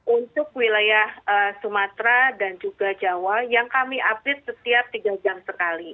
untuk wilayah sumatera dan juga jawa yang kami update setiap tiga jam sekali